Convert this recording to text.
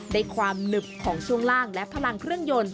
ได้ความหนึบของช่วงล่างและพลังเครื่องยนต์